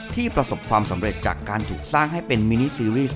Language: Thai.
ประสบความสำเร็จจากการถูกสร้างให้เป็นมินิซีรีส์